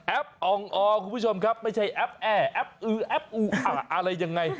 อองอคุณผู้ชมครับไม่ใช่แอปแอร์แอปอือแอปอูอะไรยังไง